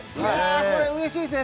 これ嬉しいですね